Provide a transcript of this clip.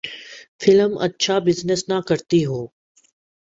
Film اچھا business نہ کرتی ہو۔